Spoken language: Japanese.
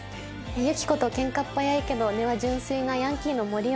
ユキコとケンカっ早いけど根は純粋なヤンキーの森生。